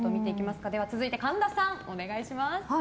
続いて、神田さんお願いします。